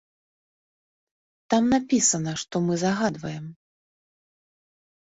Там напісана, што мы загадваем?